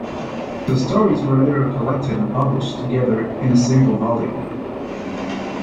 The stories were later collected and published together in a single volume.